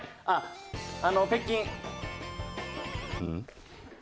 あっあの。